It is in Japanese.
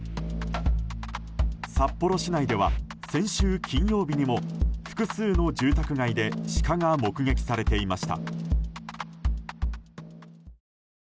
札幌市内では先週金曜日にも複数の住宅街でシカが目撃されていました。